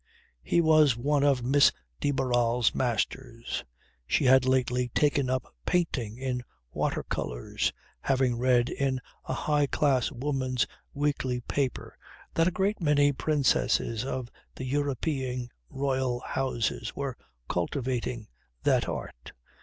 He was one of Miss de Barral's masters. She had lately taken up painting in water colours, having read in a high class woman's weekly paper that a great many princesses of the European royal houses were cultivating that art.